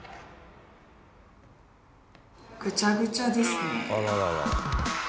ぐちゃぐちゃですね。